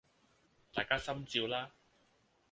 大家心照啦